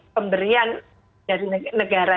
pemberian dari negara